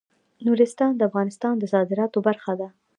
نورستان د افغانستان د صادراتو برخه ده.